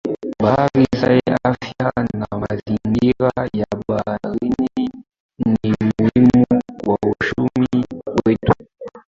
Bahari zenye afya na mazingira ya baharini ni muhimu kwa uchumi wetu